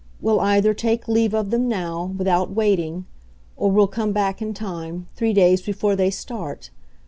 We'll either take leave of them now, without waiting or we'll come back in time, three days before they start.